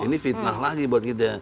ini fitnah lagi buat kita